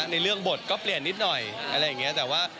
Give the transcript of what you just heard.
ในเรื่องบทก็เปลี่ยนนิดหน่อยอะไรอย่างนี้แต่ว่า